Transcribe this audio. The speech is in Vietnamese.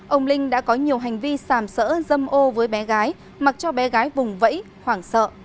ông linh đã có nhiều hành vi sàm sỡ dâm ô với bé gái mặc cho bé gái vùng vẫy hoảng sợ